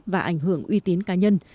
và ảnh hưởng uy tín cá nhân